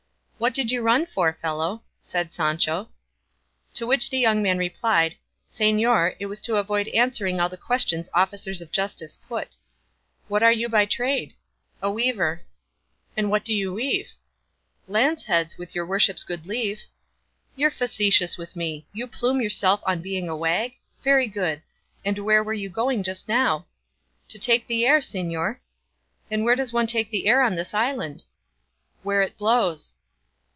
"What did you run for, fellow?" said Sancho. To which the young man replied, "Señor, it was to avoid answering all the questions officers of justice put." "What are you by trade?" "A weaver." "And what do you weave?" "Lance heads, with your worship's good leave." "You're facetious with me! You plume yourself on being a wag? Very good; and where were you going just now?" "To take the air, señor." "And where does one take the air in this island?" "Where it blows."